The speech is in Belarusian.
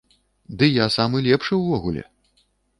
Ды я самы лепшы ўвогуле!